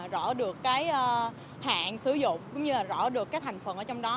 rõ được cái hạn sử dụng cũng như là rõ được cái thành phần ở trong đó